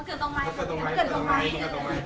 เกินต้องไหม